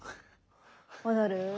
戻る。